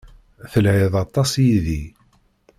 Telhiḍ aṭas yid-i.